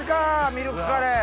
ミルクカレー！